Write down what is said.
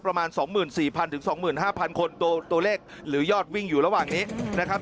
ประมาณ๒๔๐๐๒๕๐๐คนตัวเลขหรือยอดวิ่งอยู่ระหว่างนี้นะครับ